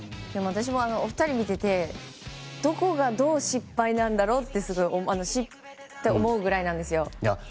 私もお二人を見ててどこがどう失敗なんだろうと思うくらいなんですよ。